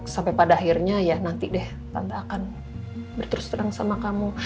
sampai pada akhirnya ya nanti deh tanda akan berterus terang sama kamu